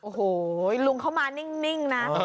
โอ้โหลุงเข้ามานิ่งนะ